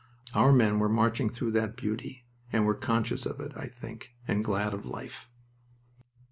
Our men were marching through that beauty, and were conscious of it, I think, and glad of life.